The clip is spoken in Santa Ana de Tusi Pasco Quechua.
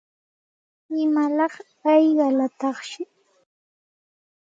¿Imalaq hayqalataqshi?